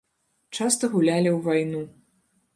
Часта гулялі ў вайну.